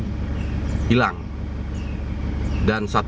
dan satu sebuah kecamatan yang hilang yang dikumpulkan oleh bapak bapak